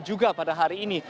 juga pada hari ini